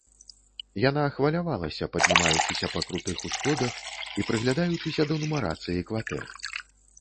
Яна хвалявалася, паднімаючыся па крутых усходах і прыглядаючыся да нумарацыі кватэр.